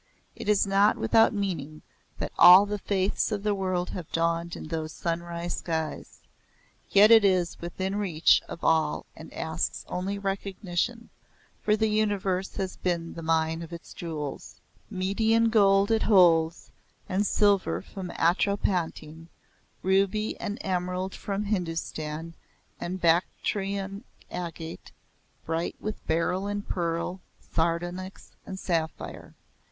It is not without meaning that all the faiths of the world have dawned in those sunrise skies. Yet it is within reach of all and asks only recognition, for the universe has been the mine of its jewels "Median gold it holds, and silver from Atropatene, Ruby and emerald from Hindustan, and Bactrian agate, Bright with beryl and pearl, sardonyx and sapphire."